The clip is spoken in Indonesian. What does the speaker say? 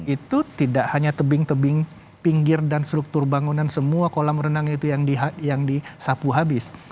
itu tidak hanya tebing tebing pinggir dan struktur bangunan semua kolam renang itu yang disapu habis